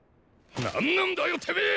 何なんだよてめェ！